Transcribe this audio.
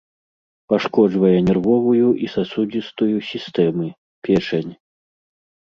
Пашкоджвае нервовую і сасудзістую сістэмы, печань.